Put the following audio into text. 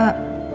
nanti aku datang